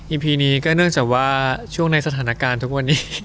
พีนี้ก็เนื่องจากว่าช่วงในสถานการณ์ทุกวันนี้